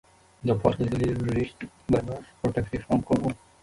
The park is easily reached by bus or taxi from Coro.